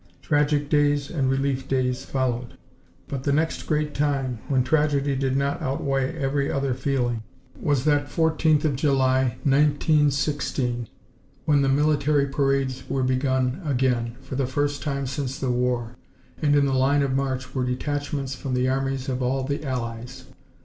Tragic days and relief days followed. But the next great time, when tragedy did not outweigh every other feeling, was that 14th of July, 1916, when the military parades were begun again, for the first time since the war, and in the line of march were detachments from the armies of all the Allies.